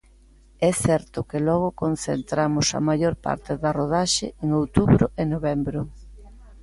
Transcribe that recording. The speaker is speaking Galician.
É certo que logo concentramos a maior parte da rodaxe en outubro e novembro.